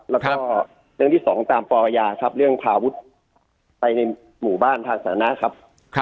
แล้วก็เรื่องที่สองตามปรยาครับเรื่องพาวุฒิไปในหมู่บ้านทางสาธารณะครับ